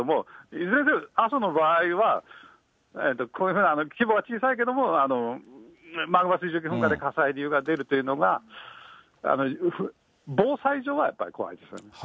いずれにせよ、阿蘇の場合はこういうふうな規模は小さいけれども、マグマ水蒸気噴火で火砕流が出るというのが、防災上は怖いですね。